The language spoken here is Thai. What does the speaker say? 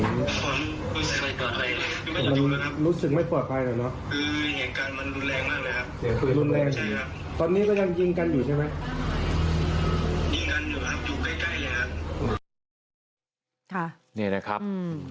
ยิงกันอยู่ครับอยู่ใกล้ใกล้เลยครับค่ะนี่นะครับอืม